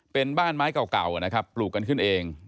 เป็นบ้านไม้เก่านะครับปลูกกันขึ้นเอง